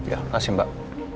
ya kasih mbak